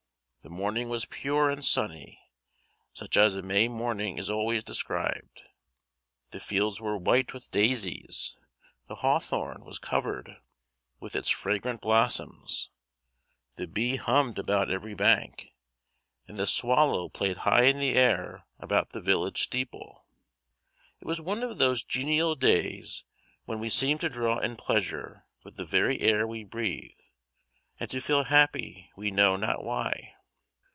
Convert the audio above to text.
The morning was pure and sunny, such as a May morning is always described. The fields were white with daisies, the hawthorn was covered with its fragrant blossoms, the bee hummed about every bank, and the swallow played high in the air about the village steeple. It was one of those genial days when we seem to draw in pleasure with the very air we breathe, and to feel happy we know not why.